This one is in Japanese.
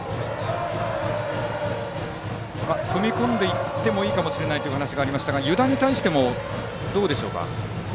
踏み込んでいってもいいかもしれないという話ですが湯田に対してもどうでしょうか。